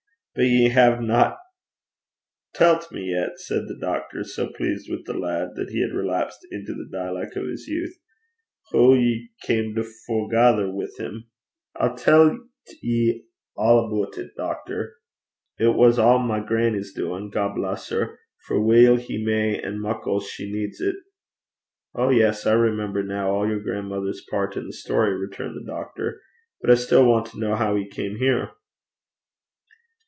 'But ye haena tellt me yet,' said the doctor, so pleased with the lad that he relapsed into the dialect of his youth, 'hoo ye cam to forgather wi' 'im.' 'I tellt ye a' aboot it, doctor. It was a' my grannie's doin', God bless her for weel he may, an' muckle she needs 't.' 'Oh! yes; I remember now all your grandmother's part in the story,' returned the doctor. 'But I still want to know how he came here.'